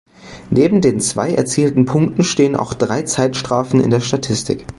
Neben den zwei erzielten Punkten stehen auch drei Zeitstrafen in der Statistik.